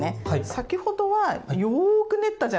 先ほどはよく練ったじゃないですか。